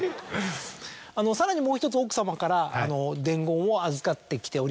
さらにもう１つ奥様から伝言を預かってきておりますので。